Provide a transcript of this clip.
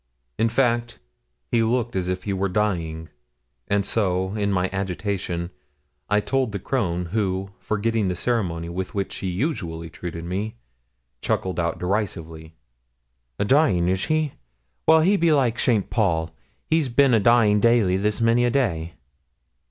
In fact, he looked as if he were dying, and so, in my agitation, I told the crone, who, forgetting the ceremony with which she usually treated me, chuckled out derisively, 'A dying is he? Well, he be like Saint Paul he's bin a dying daily this many a day.'